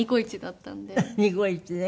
ニコイチね。